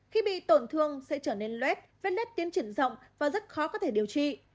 khi bị tổn thương sẽ trở nên luét vết net tiến triển rộng và rất khó có thể điều trị